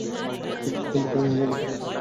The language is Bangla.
কিন্তু একজন ভদ্রমহিলাও ভিতরে আছেন।